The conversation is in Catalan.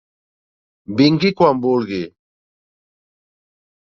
Vingui quan vulgui.